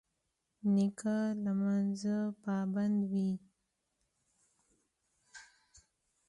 نیکه د لمانځه پابند وي.